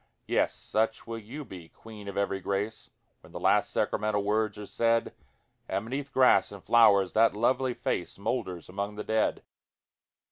Yes, such will you be, Queen of every grace! When the last sacramental words are said; And beneath grass and flowers that lovely face Moulders among the dead.